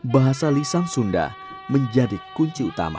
bahasa lisan sunda menjadi kunci utama